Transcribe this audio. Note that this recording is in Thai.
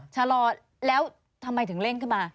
ชะลอแล้วทำไมถึงเร่งขึ้นมา